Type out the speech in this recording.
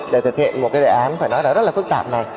để thực hiện một cái đề án phải nói là rất là phức tạp này